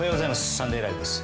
「サンデーＬＩＶＥ！！」です。